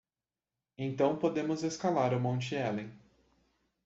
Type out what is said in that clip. Então podemos escalar o Monte Helen